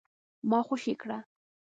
ما خوشي کړه ؟